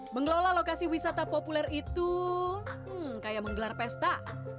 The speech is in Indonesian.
mengelola lokasi wisata populer itu kayak menggelar pesta